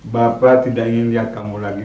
bapak tidak ingin lihat kamu lagi